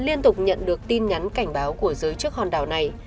liên tục nhận được tin nhắn cảnh báo của giới chức hòn đảo này